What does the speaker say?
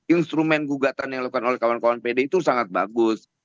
instrumen gugatan yang dilakukan oleh kawan kawan pdi itu sangat bagus